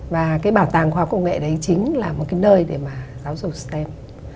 và cái bảo tàng khoa học công nghệ đấy chính là một nơi để giáo dục stem